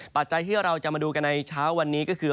ปัจจัยที่เราจะมาดูกันในเช้าวันนี้ก็คือ